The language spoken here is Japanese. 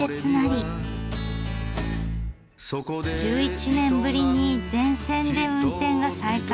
１１年ぶりに全線で運転が再開した只見線。